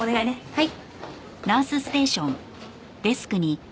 はい。